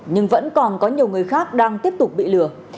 nhưng vẫn còn có nhiều người khác đang tiếp tục bị lừa